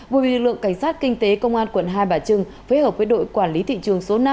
bởi biệt lượng cảnh sát kinh tế công an quận hai bà trưng phối hợp với đội quản lý thị trường số năm